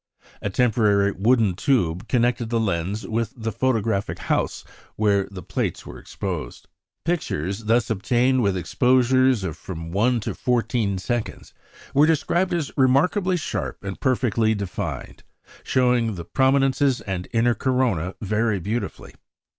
A temporary wooden tube connected the lens with the photographic house where the plates were exposed. Pictures thus obtained with exposures of from one to fourteen seconds, were described as "remarkably sharp and perfectly defined, showing the prominences and inner corona very beautifully.